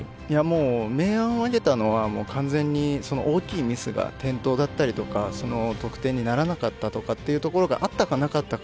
明暗を分けたのは完全に大きいミスが、転倒だったり得点にならなかったとかというところがあったかなかったか。